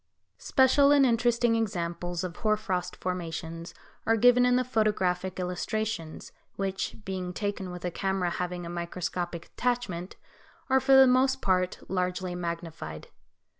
Special and interesting examples of hoar frost formations are given in the photographic illustrations, which, being taken with a camera having a microscopic attachment are, for the most part, largely magnified.